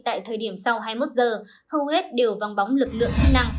tại thời điểm sau hai mươi một h hầu hết đều vòng bóng lực lượng năng